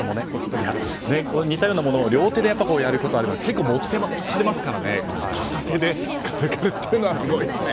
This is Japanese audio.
似たようなものを両手でやることはありますけど結構持ってかれますから片手で軽々というのはすごいですね。